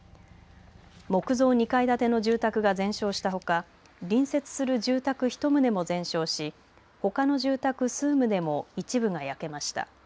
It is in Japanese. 木造２階建ての住宅が全焼したほか隣接する住宅１棟も全焼しほかの住宅数棟も一部が焼けました。